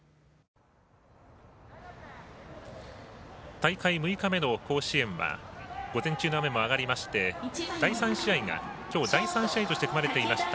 大会６日目の甲子園は午前中も雨も上がりましてきょう第３試合として組まれていました